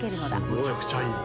むちゃくちゃいい。